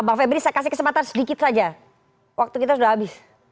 bang febri saya kasih kesempatan sedikit saja waktu kita sudah habis